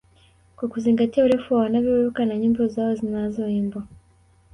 Kwa kuzingatia urefu wa wanavyoruka na nyimbo zao zinazoimbwa